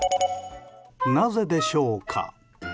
なぜでしょうか？